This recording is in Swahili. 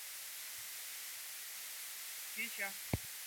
kisha akafundisha sheria ya kikatiba katika Chuo Kikuu cha Chicago